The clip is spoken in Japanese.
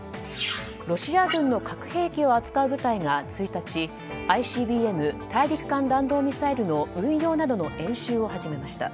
ロシア軍の核兵器を扱う部隊が１日ＩＣＢＭ・大陸間弾道ミサイルの運用などの演習を始めました。